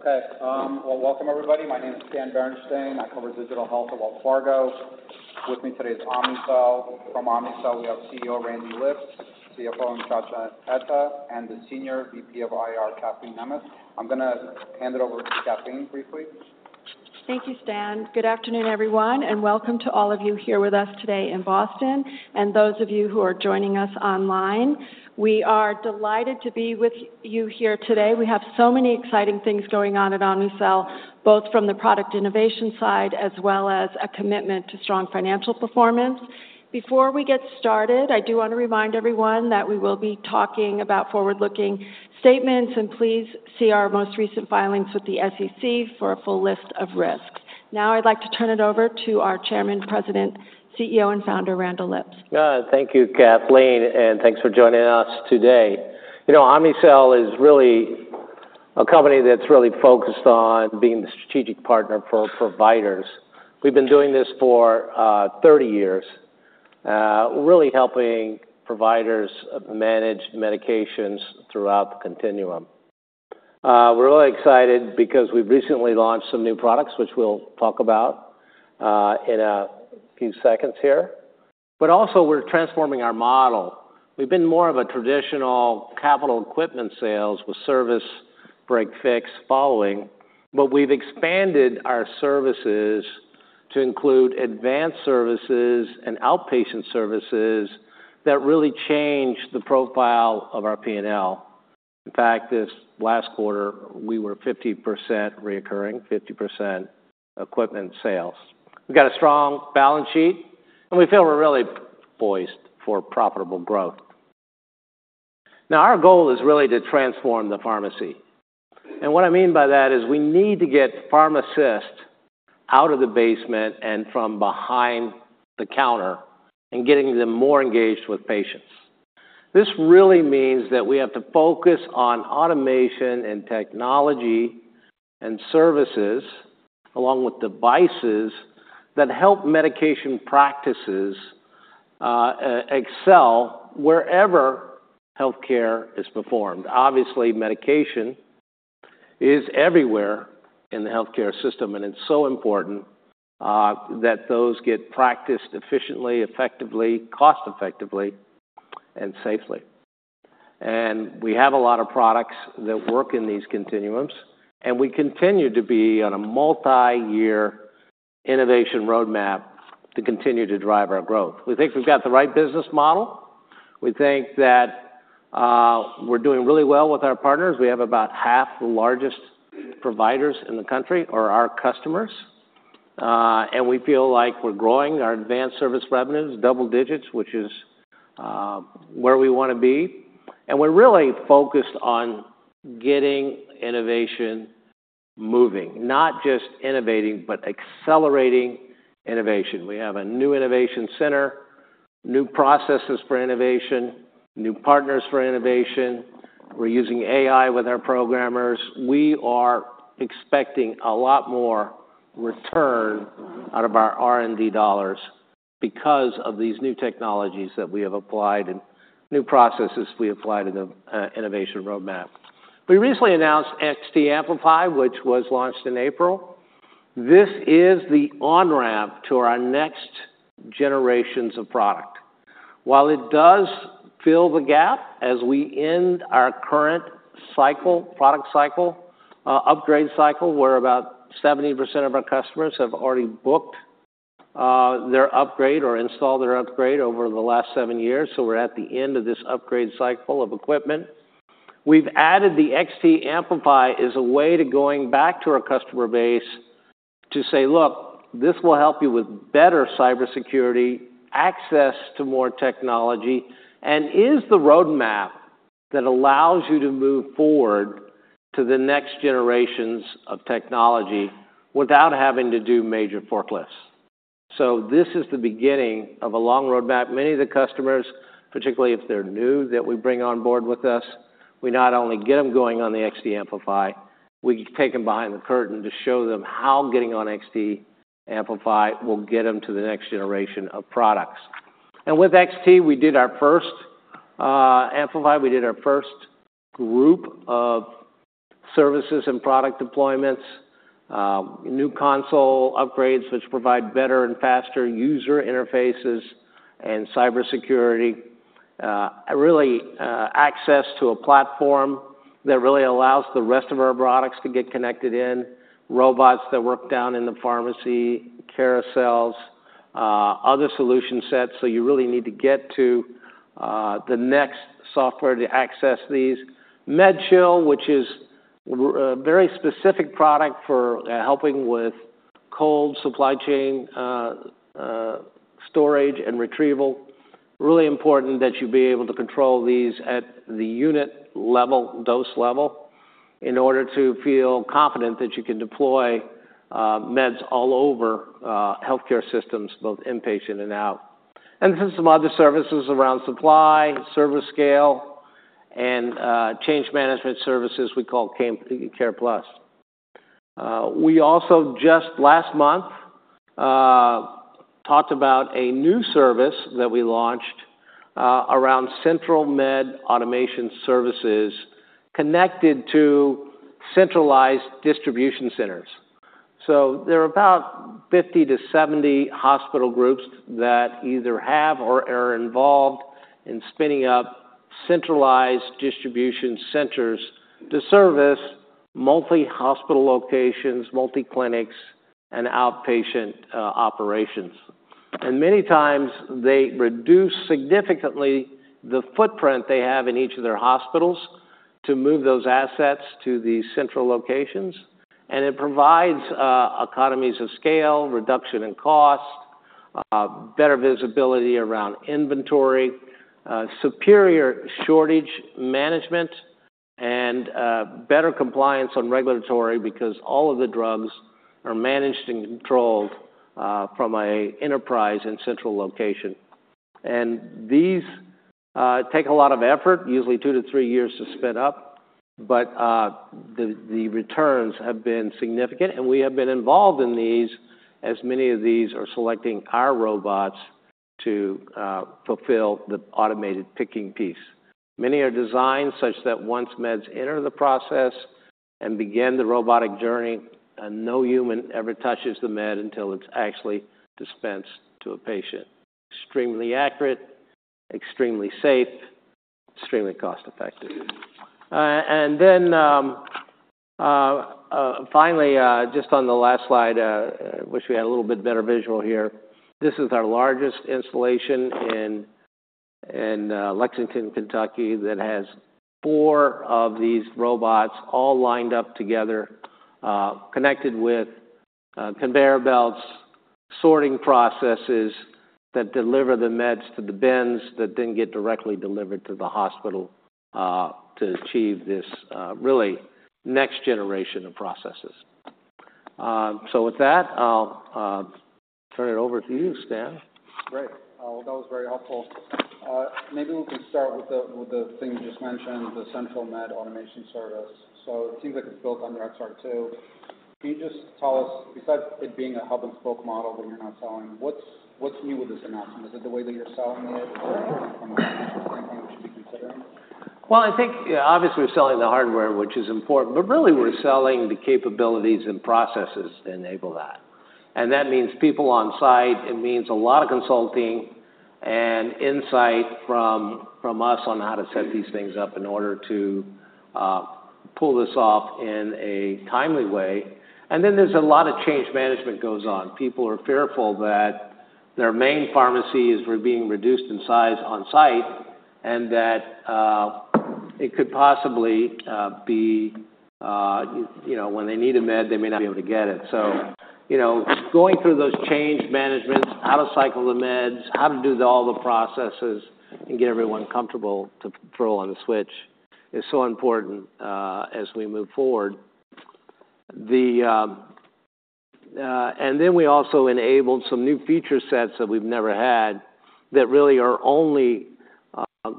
Okay, well, welcome everybody. My name is Stan Berenshteyn. I cover digital health at Wells Fargo. With me today is Omnicell. From Omnicell, we have CEO Randall Lipps, CFO Nchacha Etta, and the Senior VP of IR, Kathleen Nemeth. I'm gonna hand it over to Kathleen briefly. Thank you, Stan. Good afternoon, everyone, and welcome to all of you here with us today in Boston, and those of you who are joining us online. We are delighted to be with you here today. We have so many exciting things going on at Omnicell, both from the product innovation side, as well as a commitment to strong financial performance. Before we get started, I do wanna remind everyone that we will be talking about forward-looking statements, and please see our most recent filings with the SEC for a full list of risks. Now, I'd like to turn it over to our Chairman, President, CEO, and Founder, Randall Lipps. Thank you, Kathleen, and thanks for joining us today. You know, Omnicell is really a company that's really focused on being the strategic partner for providers. We've been doing this for 30 years, really helping providers manage medications throughout the continuum. We're really excited because we've recently launched some new products, which we'll talk about in a few seconds here, but also, we're transforming our model. We've been more of a traditional capital equipment sales with service, break/fix, following, but we've expanded our services to include advanced services and outpatient services that really change the profile of our P&L. In fact, this last quarter, we were 50% recurring, 50% equipment sales. We've got a strong balance sheet, and we feel we're really poised for profitable growth. Now, our goal is really to transform the pharmacy, and what I mean by that is we need to get pharmacists out of the basement and from behind the counter and getting them more engaged with patients. This really means that we have to focus on automation and technology and services, along with devices that help medication practices excel wherever healthcare is performed. Obviously, medication is everywhere in the healthcare system, and it's so important that those get practiced efficiently, effectively, cost-effectively, and safely. We have a lot of products that work in these continuums, and we continue to be on a multi-year innovation roadmap to continue to drive our growth. We think we've got the right business model. We think that we're doing really well with our partners. We have about half the largest providers in the country are our customers, and we feel like we're growing our advanced service revenues, double digits, which is where we wanna be. And we're really focused on getting innovation moving, not just innovating, but accelerating innovation. We have a new innovation center, new processes for innovation, new partners for innovation. We're using AI with our programmers. We are expecting a lot more return out of our R&D dollars because of these new technologies that we have applied and new processes we applied to the innovation roadmap. We recently announced XT Amplify, which was launched in April. This is the on-ramp to our next generations of product. While it does fill the gap as we end our current cycle, product cycle, upgrade cycle, where about 70% of our customers have already booked their upgrade or installed their upgrade over the last seven years, so we're at the end of this upgrade cycle of equipment. We've added the XT Amplify as a way to going back to our customer base to say, "Look, this will help you with better cybersecurity, access to more technology, and is the roadmap that allows you to move forward to the next generations of technology without having to do major forklifts." So this is the beginning of a long roadmap. Many of the customers, particularly if they're new, that we bring on board with us, we not only get them going on the XT Amplify, we take them behind the curtain to show them how getting on XT Amplify will get them to the next generation of products, and with XT, we did our first Amplify. We did our first group of services and product deployments, new console upgrades, which provide better and faster user interfaces and cybersecurity. Really, access to a platform that really allows the rest of our products to get connected in, robots that work down in the pharmacy, carousels, other solution sets, so you really need to get to the next software to access these. MedChill, which is a very specific product for helping with cold supply chain storage and retrieval. Really important that you be able to control these at the unit level, dose level, in order to feel confident that you can deploy meds all over healthcare systems, both inpatient and out. And then some other services around supply, service scale, and change management services we call CarePlus. We also just last month talked about a new service that we launched around central med automation services connected to centralized distribution centers. So there are about 50-70 hospital groups that either have or are involved in spinning up centralized distribution centers to service multi-hospital locations, multi-clinics, and outpatient operations. Many times, they reduce significantly the footprint they have in each of their hospitals to move those assets to the central locations, and it provides economies of scale, reduction in cost, better visibility around inventory, superior shortage management, and better compliance on regulatory because all of the drugs are managed and controlled from an enterprise and central location. These take a lot of effort, usually two to three years to spin up, but the returns have been significant, and we have been involved in these, as many of these are selecting our robots to fulfill the automated picking piece. Many are designed such that once meds enter the process and begin the robotic journey, no human ever touches the med until it is actually dispensed to a patient. Extremely accurate, extremely safe, extremely cost-effective. And then, finally, just on the last slide, wish we had a little bit better visual here. This is our largest installation in Lexington, Kentucky, that has four of these robots all lined up together, connected with conveyor belts, sorting processes that deliver the meds to the bins, that then get directly delivered to the hospital, to achieve this really next generation of processes. So with that, I'll turn it over to you, Stan. Great. Well, that was very helpful. Maybe we can start with the thing you just mentioned, the central med automation service. So it seems like it's built on the XR2. Can you just tell us, besides it being a hub-and-spoke model that you're not selling, what's new with this announcement? Is it the way that you're selling it? Anything we should be considering? I think, yeah, obviously, we're selling the hardware, which is important, but really, we're selling the capabilities and processes to enable that. And that means people on site. It means a lot of consulting and insight from us on how to set these things up in order to pull this off in a timely way. And then there's a lot of change management goes on. People are fearful that their main pharmacies were being reduced in size on-site, and that it could possibly be, you know, when they need a med, they may not be able to get it. So, you know, going through those change managements, how to cycle the meds, how to do all the processes and get everyone comfortable to throw on a switch, is so important as we move forward. The And then we also enabled some new feature sets that we've never had, that really are only,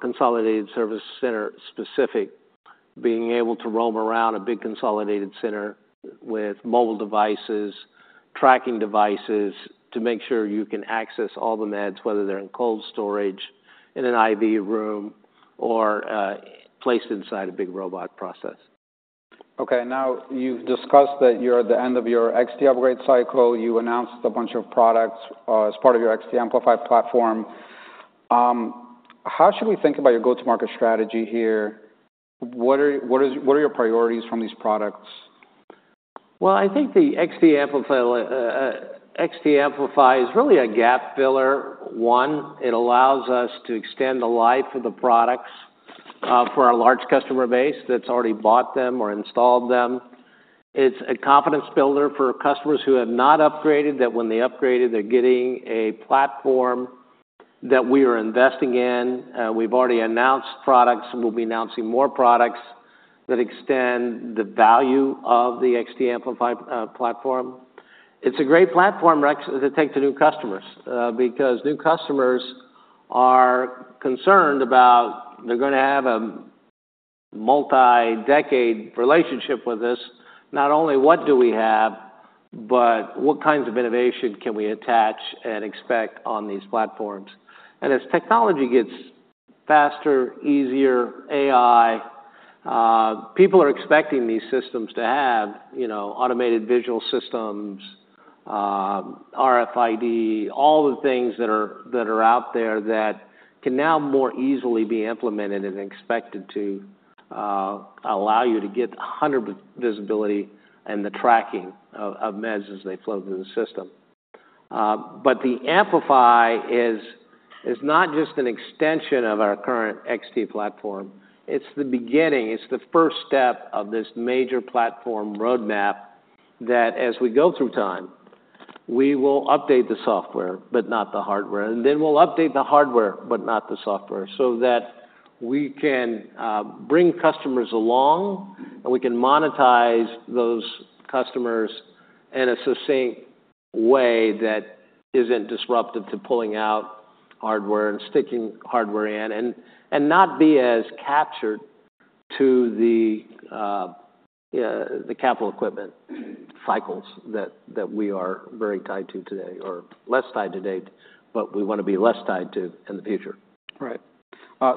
consolidated service center-specific, being able to roam around a big consolidated center with mobile devices, tracking devices, to make sure you can access all the meds, whether they're in cold storage, in an IV room, or, placed inside a big robot process. Okay, now you've discussed that you're at the end of your XT upgrade cycle. You announced a bunch of products as part of your XT Amplify platform. How should we think about your go-to-market strategy here? What are your priorities from these products? I think the XT Amplify is really a gap filler. One, it allows us to extend the life of the products for our large customer base that's already bought them or installed them. It's a confidence builder for customers who have not upgraded, that when they upgraded, they're getting a platform that we are investing in. We've already announced products, and we'll be announcing more products that extend the value of the XT Amplify platform. It's a great platform, REX, to take to new customers because new customers are concerned about they're gonna have a multi-decade relationship with us. Not only what do we have, but what kinds of innovation can we attach and expect on these platforms? And as technology gets faster, easier, AI, people are expecting these systems to have, you know, automated visual systems, RFID, all the things that are out there that can now more easily be implemented and expected to allow you to get 100% visibility and the tracking of meds as they flow through the system. But the Amplify is not just an extension of our current XT platform, it's the beginning. It's the first step of this major platform roadmap that as we go through time, we will update the software but not the hardware, and then we'll update the hardware but not the software, so that we can bring customers along, and we can monetize those customers in a succinct way that isn't disruptive to pulling out hardware and sticking hardware in and not be as captured to the capital equipment cycles that we are very tied to today, or less tied to today, but we want to be less tied to in the future. Right.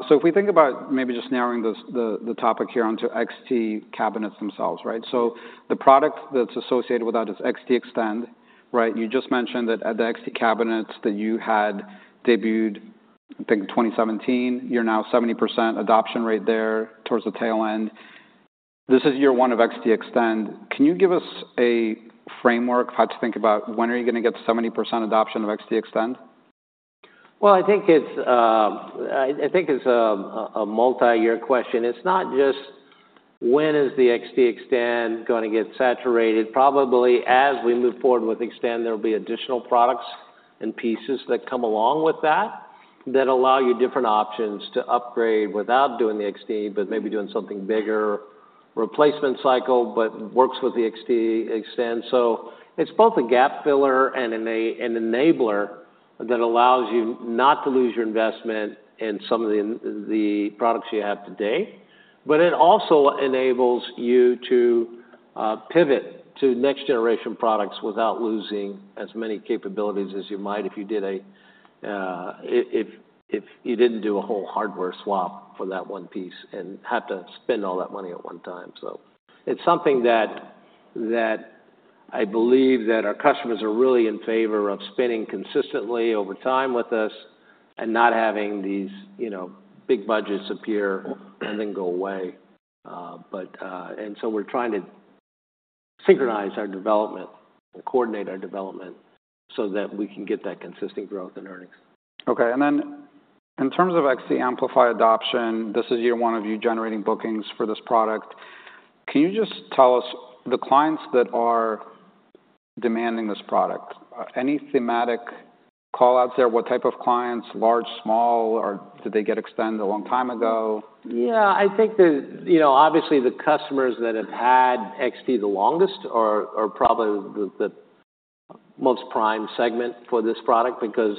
So if we think about maybe just narrowing the topic here onto XT Cabinets themselves, right? So the product that's associated with that is XT Extend, right? You just mentioned that the XT Cabinets that you had debuted, I think, in 2017, you're now 70% adoption rate there towards the tail end. This is year one of XT Extend. Can you give us a framework of how to think about when are you gonna get to 70% adoption of XT Extend? I think it's a multi-year question. It's not just when is the XT Extend gonna get saturated. Probably as we move forward with Extend, there will be additional products and pieces that come along with that that allow you different options to upgrade without doing the XT, but maybe doing something bigger replacement cycle but works with the XT Extend. So it's both a gap filler and an enabler that allows you not to lose your investment in some of the products you have today. But it also enables you to pivot to next generation products without losing as many capabilities as you might if you did a whole hardware swap for that one piece and have to spend all that money at one time. It's something that I believe that our customers are really in favor of spending consistently over time with us and not having these, you know, big budgets appear and then go away, so we're trying to synchronize our development and coordinate our development so that we can get that consistent growth in earnings. Okay. And then in terms of XT Amplify adoption, this is year one of you generating bookings for this product. Can you just tell us the clients that are demanding this product, any thematic call-outs there? What type of clients, large, small, or did they get Extend a long time ago? Yeah, I think, you know, obviously, the customers that have had XT the longest are probably the most prime segment for this product because,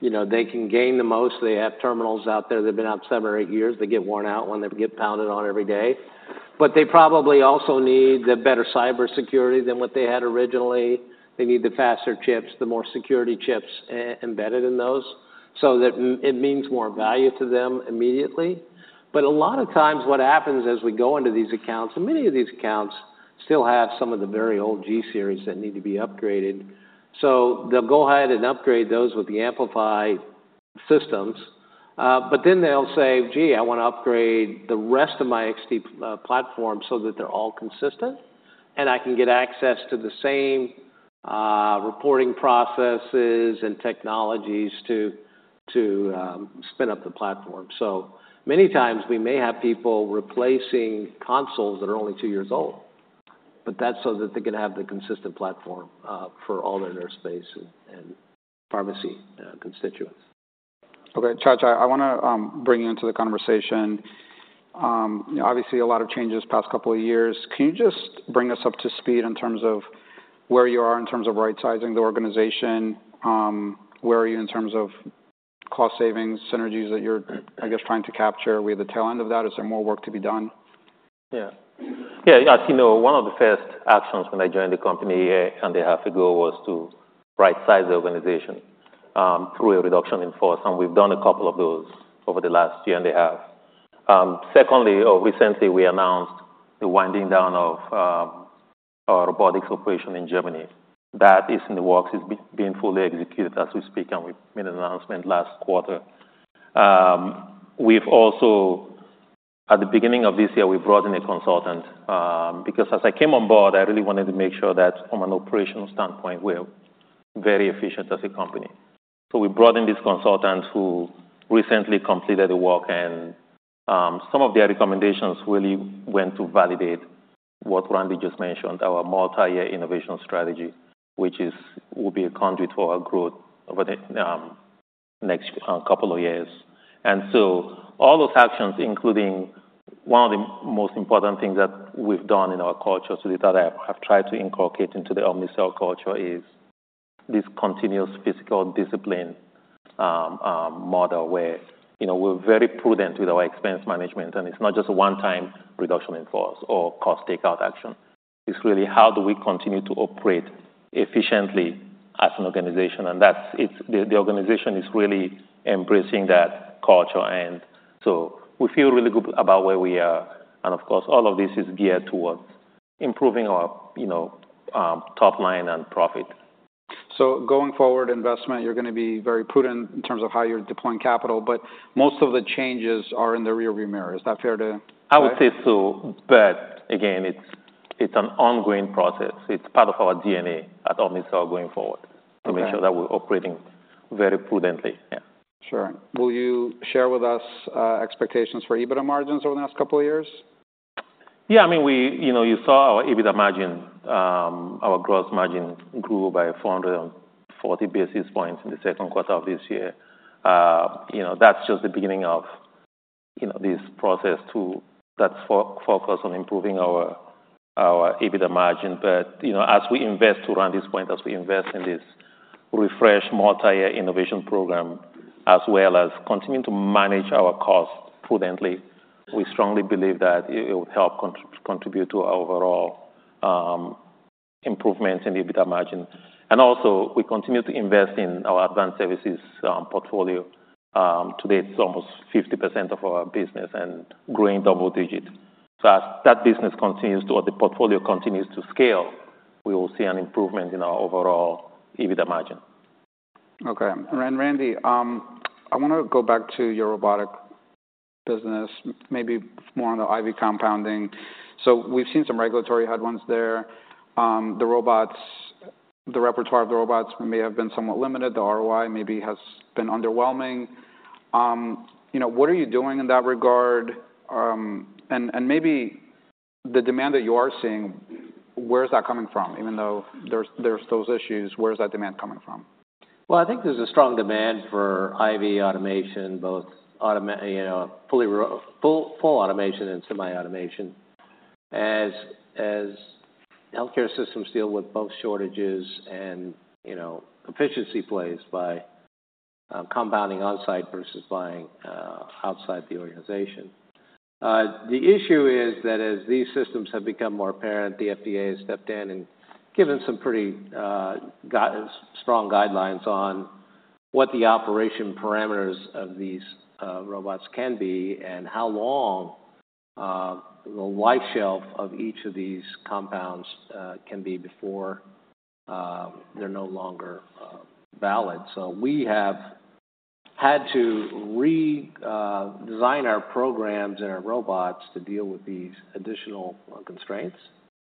you know, they can gain the most. They have terminals out there that have been out seven or eight years. They get worn out when they get pounded on every day. But they probably also need the better cybersecurity than what they had originally. They need the faster chips, the more security chips embedded in those, so that it means more value to them immediately. But a lot of times what happens as we go into these accounts, and many of these accounts still have some of the very old G-Series that need to be upgraded. So they'll go ahead and upgrade those with the Amplify systems, but then they'll say, "Gee, I wanna upgrade the rest of my XT platform so that they're all consistent, and I can get access to the same reporting processes and technologies to spin up the platform." So many times we may have people replacing consoles that are only two years old, but that's so that they can have the consistent platform for all their space and pharmacy constituents. Okay, Nchacha, I wanna bring you into the conversation. You know, obviously a lot of changes past couple of years. Can you just bring us up to speed in terms of where you are in terms of rightsizing the organization? Where are you in terms of cost savings, synergies that you're, I guess, trying to capture? Are we at the tail end of that, or is there more work to be done? Yeah. Yeah, as you know, one of the first actions when I joined the company was to rightsize the organization through a reduction in force, and we've done a couple of those over the last year and a half. Secondly, or recently, we announced the winding down of our robotics operation in Germany. That is in the works. It's being fully executed as we speak, and we made an announcement last quarter. We've also at the beginning of this year brought in a consultant because as I came on board, I really wanted to make sure that from an operational standpoint, we're very efficient as a company. We brought in this consultant who recently completed the work, and some of their recommendations really went to validate what Randy just mentioned, our multi-year innovation strategy, which will be a conduit for our growth over the next couple of years. And so all those actions, including one of the most important things that we've done in our culture, so that I have tried to inculcate into the Omnicell culture, is this continuous fiscal discipline model, where you know, we're very prudent with our expense management, and it's not just a one-time reduction in force or cost takeout action. It's really how do we continue to operate efficiently as an organization? That's it. The organization is really embracing that culture, and so we feel really good about where we are. Of course, all of this is geared towards improving our, you know, top line and profit. So going forward, investment, you're gonna be very prudent in terms of how you're deploying capital, but most of the changes are in the rearview mirror. Is that fair to say? I would say so, but again, it's an ongoing process. It's part of our DNA at Omnicell going forward. Okay. -to make sure that we're operating very prudently. Yeah. Sure. Will you share with us, expectations for EBITDA margins over the next couple of years? Yeah, I mean, you know, you saw our EBITDA margin, our gross margin grew by 440 basis points in the second quarter of this year. You know, that's just the beginning of this process that's focused on improving our EBITDA margin. But, you know, as we invest to run this point, as we invest in this refresh multi-year innovation program, as well as continuing to manage our costs prudently, we strongly believe that it will help contribute to our overall improvements in EBITDA margin. And also, we continue to invest in our advanced services portfolio. Today, it's almost 50% of our business and growing double digits. So as that business continues to, or the portfolio continues to scale, we will see an improvement in our overall EBITDA margin. Okay. And Randy, I wanna go back to your robotic business, maybe more on the IV compounding. So we've seen some regulatory headwinds there. The repertoire of the robots may have been somewhat limited. The ROI maybe has been underwhelming. You know, what are you doing in that regard? And maybe the demand that you are seeing, where is that coming from? Even though there's those issues, where is that demand coming from? I think there's a strong demand for IV automation, both automation you know, full automation and semi-automation, as healthcare systems deal with both shortages and, you know, efficiency plays by compounding on-site versus buying outside the organization. The issue is that as these systems have become more apparent, the FDA has stepped in and given some pretty strong guidelines on what the operational parameters of these robots can be, and how long the shelf life of each of these compounds can be before they're no longer valid. So we have had to redesign our programs and our robots to deal with these additional constraints.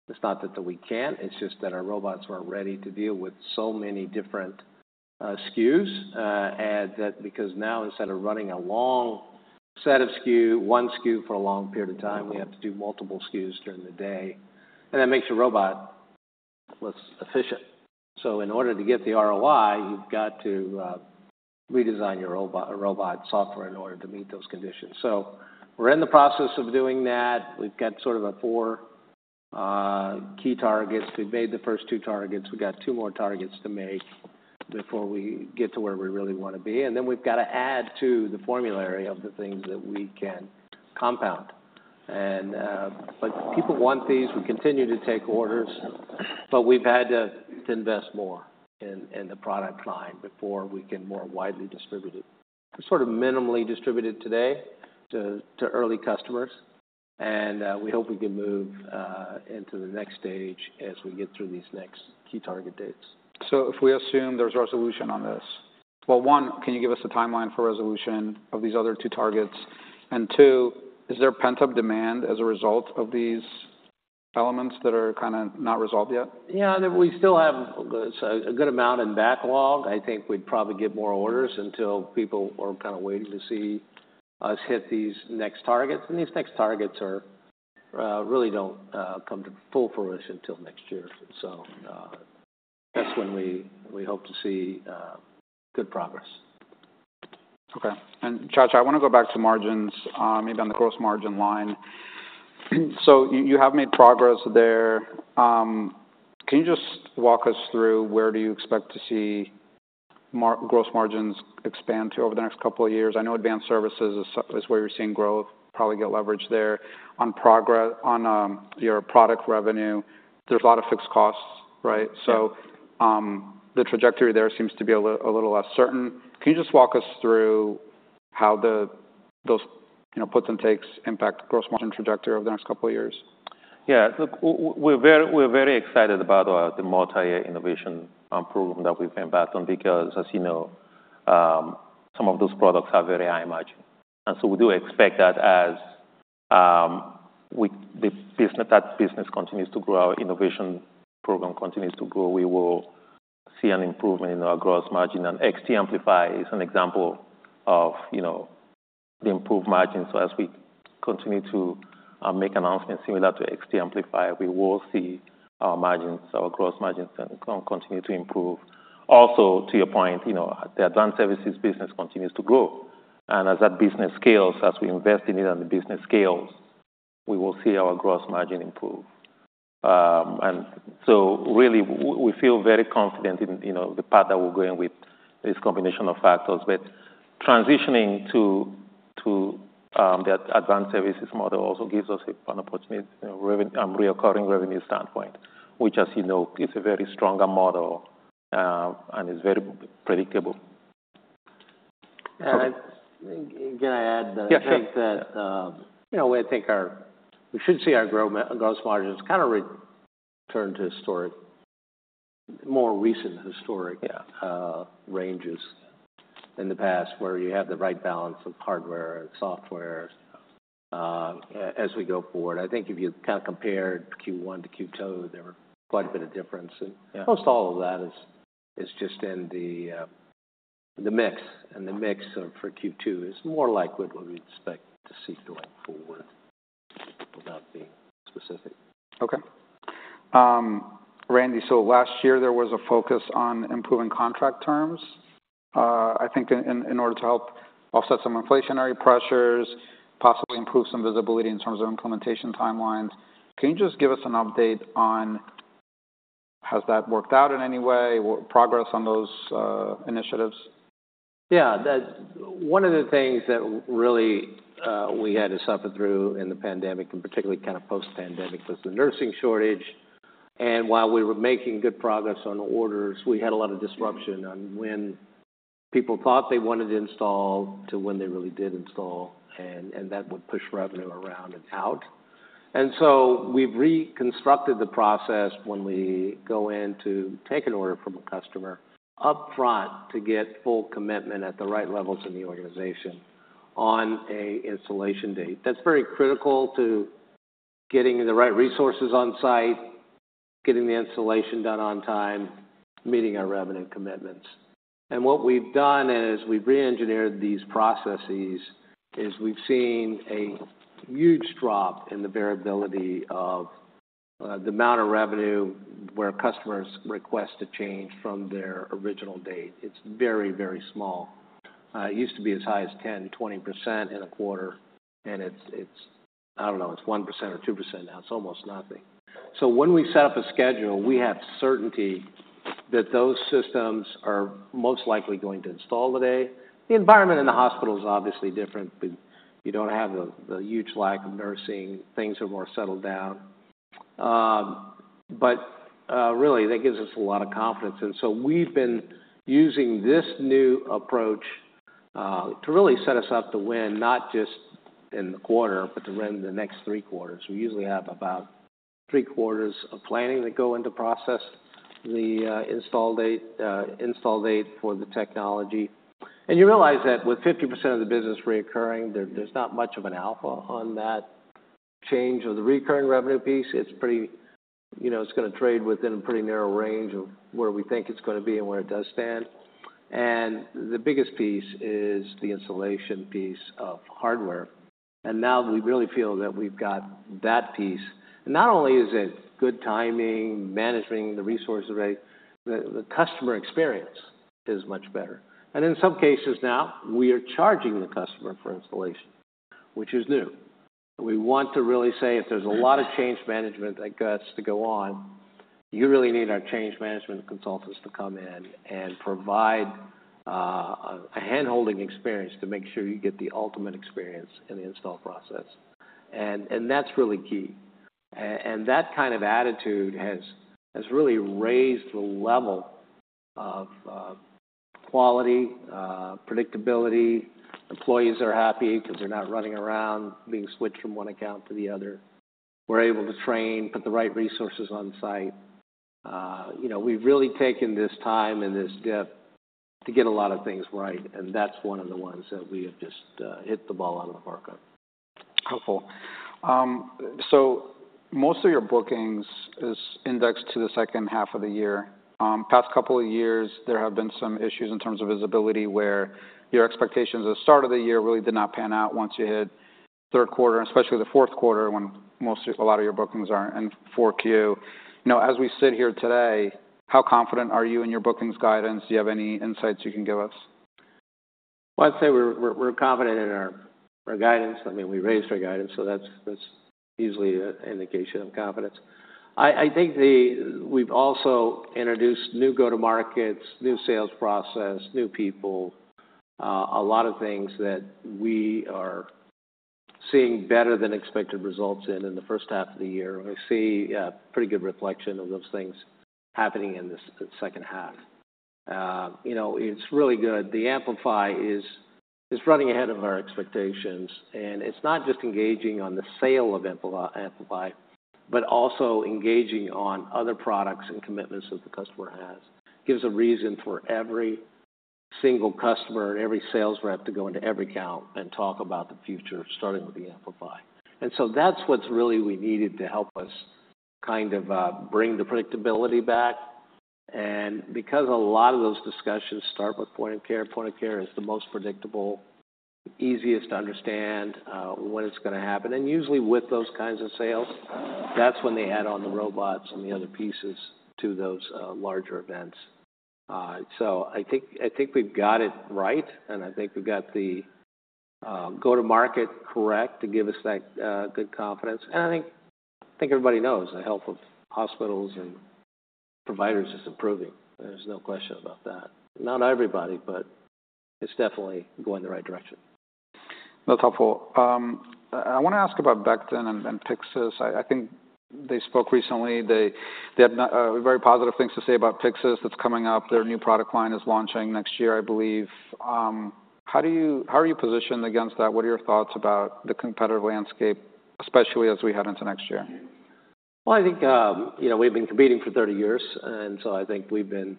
It's not that we can't, it's just that our robots weren't ready to deal with so many different SKUs. That's because now, instead of running a long set of one SKU for a long period of time, we have to do multiple SKUs during the day, and that makes the robot less efficient. In order to get the ROI, you've got to redesign your robot software in order to meet those conditions. We're in the process of doing that. We've got sort of four key targets. We've made the first two targets. We've got two more targets to make before we get to where we really wanna be. Then we've gotta add to the formulary of the things that we can compound. But people want these. We continue to take orders, but we've had to invest more in the product line before we can more widely distribute it. We're sort of minimally distributed today to early customers, and we hope we can move into the next stage as we get through these next key target dates. If we assume there's resolution on this, well, one, can you give us a timeline for resolution of these other two targets? And two, is there pent-up demand as a result of these elements that are kinda not resolved yet? Yeah, and we still have a good amount in backlog. I think we'd probably get more orders until people are kind of waiting to see us hit these next targets. And these next targets really don't come to full fruition until next year. So, that's when we hope to see good progress. Okay. And Nchacha, I wanna go back to margins, maybe on the gross margin line. So you have made progress there. Can you just walk us through where do you expect to see gross margins expand to over the next couple of years? I know advanced services is where you're seeing growth, probably get leverage there. On your product revenue, there's a lot of fixed costs, right? The trajectory there seems to be a little less certain. Can you just walk us through how the, those, you know, puts and takes impact gross margin trajectory over the next couple of years? Yeah, look, we're very, we're very excited about the multi-year innovation program that we've embarked on, because, as you know, some of those products are very high margin. And so we do expect that as the business continues to grow, our innovation program continues to grow, we will see an improvement in our gross margin. And XT Amplify is an example of, you know, the improved margin. So as we continue to make announcements similar to XT Amplify, we will see our margins, our gross margins then continue to improve. Also, to your point, you know, the advanced services business continues to grow. And as that business scales, as we invest in it and the business scales, we will see our gross margin improve. And so really, we feel very confident in, you know, the path that we're going with this combination of factors. But transitioning to that advanced services model also gives us an opportunity, you know, recurring revenue standpoint, which, as you know, is a very strong model and is very predictable. Okay. Can I add? Yeah, sure. I think that, you know, we think we should see our gross margins kind of return to historic, more recent historic- Yeah... ranges in the past, where you have the right balance of hardware and software. As we go forward, I think if you kind of compared Q1 to Q2, there were quite a bit of difference. Yeah. Most all of that is just in the mix, and the mix for Q2 is more like what we expect to see going forward, without being specific. Okay. Randy, so last year, there was a focus on improving contract terms. I think in order to help offset some inflationary pressures, possibly improve some visibility in terms of implementation timelines. Can you just give us an update on has that worked out in any way? What progress on those initiatives? Yeah, that one of the things that really, we had to suffer through in the pandemic, and particularly kind of post-pandemic, was the nursing shortage. And while we were making good progress on orders, we had a lot of disruption on when people thought they wanted to install to when they really did install, and that would push revenue around and out. And so we've reconstructed the process when we go in to take an order from a customer, upfront, to get full commitment at the right levels in the organization on a installation date. That's very critical to getting the right resources on site, getting the installation done on time, meeting our revenue commitments. And what we've done is, we've reengineered these processes, we've seen a huge drop in the variability of the amount of revenue where customers request a change from their original date. It's very, very small. It used to be as high as 10%-20% in a quarter, and it's, I don't know, it's 1% or 2% now. It's almost nothing. So when we set up a schedule, we have certainty that those systems are most likely going to install today. The environment in the hospital is obviously different, but you don't have the huge lack of nursing. Things are more settled down, but really, that gives us a lot of confidence, and so we've been using this new approach to really set us up to win, not just in the quarter, but to win the next three quarters. We usually have about three quarters of planning that go into process, the install date, install date for the technology. You realize that with 50% of the business recurring, there's not much of an alpha on that change of the recurring revenue piece. It's pretty... You know, it's gonna trade within a pretty narrow range of where we think it's gonna be and where it does stand. The biggest piece is the installation piece of hardware, and now we really feel that we've got that piece. Not only is it good timing, managing the resources right, the customer experience is much better. And in some cases now, we are charging the customer for installation, which is new. We want to really say, if there's a lot of change management that gets to go on, you really need our change management consultants to come in and provide a handholding experience to make sure you get the ultimate experience in the install process. That's really key. That kind of attitude has really raised the level of quality, predictability. Employees are happy because they're not running around, being switched from one account to the other. We're able to train, put the right resources on site. You know, we've really taken this time and this dip to get a lot of things right, and that's one of the ones that we have just hit the ball out of the park on. Helpful. So most of your bookings is indexed to the second half of the year. Past couple of years, there have been some issues in terms of visibility, where your expectations at the start of the year really did not pan out once you hit third quarter, especially the fourth quarter, when a lot of your bookings are in 4Q. You know, as we sit here today, how confident are you in your bookings guidance? Do you have any insights you can give us? I'd say we're confident in our guidance. I mean, we raised our guidance, so that's usually an indication of confidence. I think we've also introduced new go-to markets, new sales process, new people, a lot of things that we are seeing better than expected results in, in the first half of the year. We see a pretty good reflection of those things happening in the second half. You know, it's really good. The Amplify is running ahead of our expectations, and it's not just engaging on the sale of Amplify, but also engaging on other products and commitments that the customer has. Gives a reason for every single customer and every sales rep to go into every account and talk about the future, starting with the Amplify. And so that's what's really we needed to help us kind of bring the predictability back. Because a lot of those discussions start with point of care, point of care is the most predictable, easiest to understand when it's gonna happen. And usually with those kinds of sales, that's when they add on the robots and the other pieces to those larger events. So I think we've got it right, and I think we've got the go-to market correct to give us that good confidence. And I think everybody knows the health of hospitals and providers is improving. There's no question about that. Not everybody, but it's definitely going the right direction. That's helpful. I want to ask about Becton and Pyxis. I think they spoke recently. They had very positive things to say about Pyxis that's coming up. Their new product line is launching next year, I believe. How do you- how are you positioned against that? What are your thoughts about the competitive landscape, especially as we head into next year? I think, you know, we've been competing for thirty years, and so I think we've been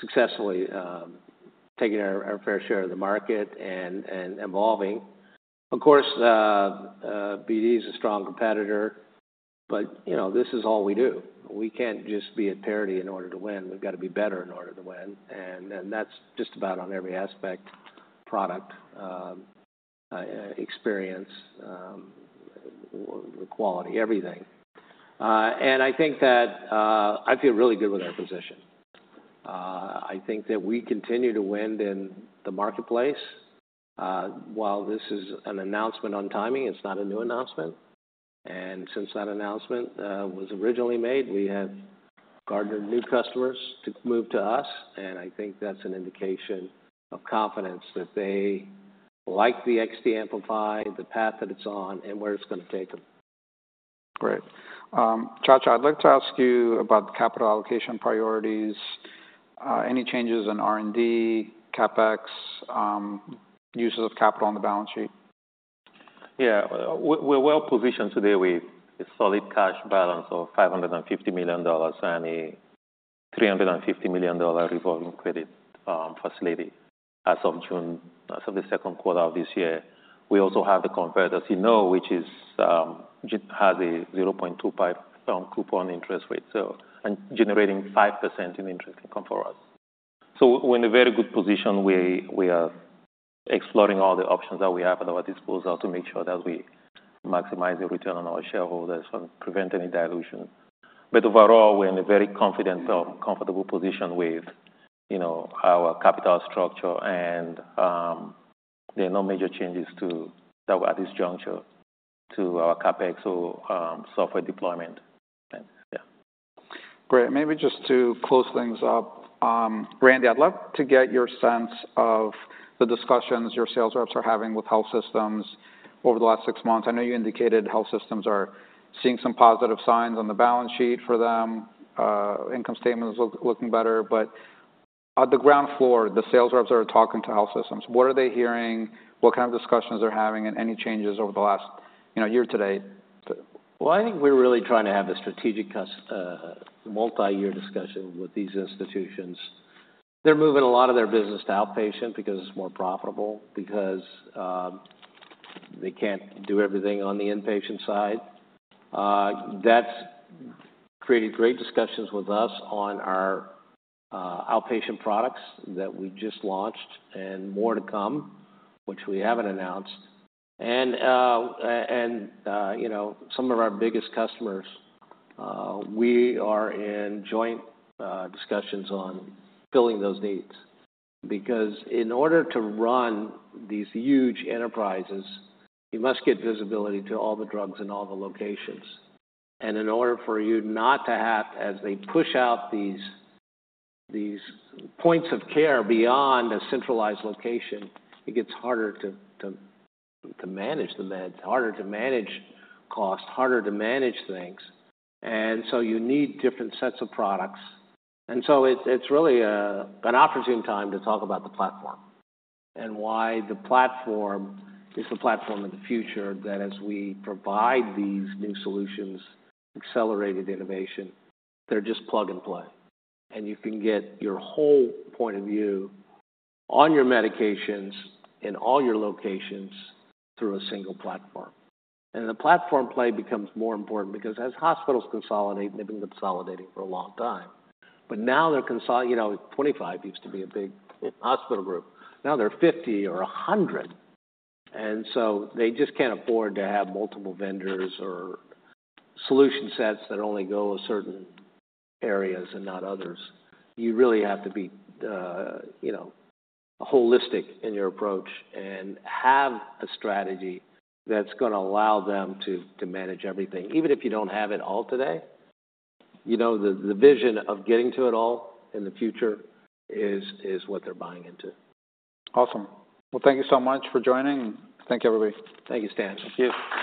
successfully taking our fair share of the market and evolving. Of course, BD is a strong competitor, but, you know, this is all we do. We can't just be at parity in order to win. We've got to be better in order to win, and that's just about on every aspect, product, experience, the quality, everything. I think that I feel really good with our position. I think that we continue to win in the marketplace. While this is an announcement on timing, it's not a new announcement. And since that announcement was originally made, we have garnered new customers to move to us, and I think that's an indication of confidence that they like the XT Amplify, the path that it's on, and where it's gonna take them. Great. Nchacha, I'd like to ask you about the capital allocation priorities. Any changes in R&D, CapEx, uses of capital on the balance sheet? Yeah. We're well positioned today with a solid cash balance of $550 million and a $350 million revolving credit facility as of June, as of the second quarter of this year. We also have the convert, as you know, which is just has a 0.25% coupon interest rate, so, and generating 5% in interest income for us. So we're in a very good position. We are exploring all the options that we have at our disposal to make sure that we maximize the return on our shareholders and prevent any dilution. But overall, we're in a very confident, comfortable position with, you know, our capital structure and there are no major changes to at this juncture, to our CapEx or software deployment. Yeah. Great. Maybe just to close things up, Randy, I'd love to get your sense of the discussions your sales reps are having with health systems over the last six months. I know you indicated health systems are seeing some positive signs on the balance sheet for them. Income statement is looking better, but on the ground floor, the sales reps are talking to health systems. What are they hearing? What kind of discussions are they having, and any changes over the last, you know, year-to-date? I think we're really trying to have a strategic multi-year discussion with these institutions. They're moving a lot of their business to outpatient because it's more profitable, because they can't do everything on the inpatient side. That's created great discussions with us on our outpatient products that we just launched, and more to come, which we haven't announced. You know, some of our biggest customers, we are in joint discussions on filling those needs, because in order to run these huge enterprises, you must get visibility to all the drugs in all the locations. In order for you not to have, as they push out these points of care beyond a centralized location, it gets harder to manage the meds, harder to manage costs, harder to manage things. And so you need different sets of products. And so it's really an opportune time to talk about the platform and why the platform is the platform of the future. That as we provide these new solutions, accelerated innovation, they're just plug and play. And you can get your whole point of view on your medications in all your locations through a single platform. And the platform play becomes more important because as hospitals consolidate, they've been consolidating for a long time, but now they're consolidating. You know, 25 used to be a big hospital group. Now they're 50 or 100, and so they just can't afford to have multiple vendors or solution sets that only go a certain areas and not others. You really have to be, you know, holistic in your approach and have a strategy that's gonna allow them to manage everything. Even if you don't have it all today, you know, the vision of getting to it all in the future is what they're buying into. Awesome, well, thank you so much for joining, and thank you, everybody. Thank you, Stan. Thank you.